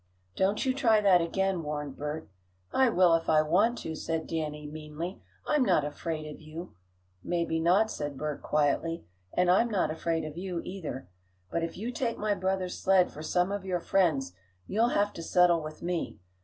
"Don't you try that again," warned Bert. "I will if I want to," said Danny, meanly, "I'm not afraid of you." "Maybe not," said Bert, quietly, "and I'm not afraid of you, either. But if you take my brother's sled for some of your friends you'll have to settle with me.